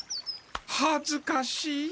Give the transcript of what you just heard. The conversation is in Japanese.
はずかしい。